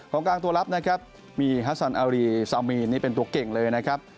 ของกลางตัวลับมีฮัสซานอารีซาวมีนเป็นตัวเก่งเลยนะครับ